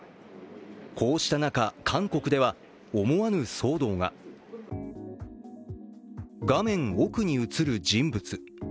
こうした中、韓国では思わぬ騒動が画面奥に映る人物。